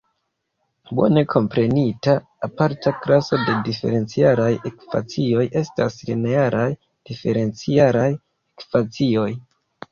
Bone komprenita aparta klaso de diferencialaj ekvacioj estas linearaj diferencialaj ekvacioj.